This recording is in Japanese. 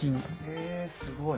へえすごい。